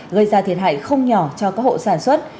gây ra thiệt hại không nhỏ cho các hộ sản xuất